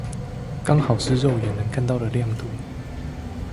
剛好是肉眼能看到的亮度